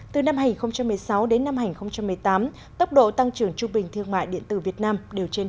từ năm hai nghìn một mươi sáu đến năm hai nghìn một mươi tám tốc độ tăng trưởng trung bình thương mại điện tử việt nam đều trên năm mươi